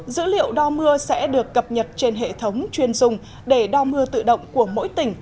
dữ liệu đo mưa sẽ được cập nhật trên hệ thống chuyên dùng để đo mưa tự động của mỗi tỉnh